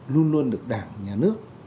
luôn luôn được đảng nhà nước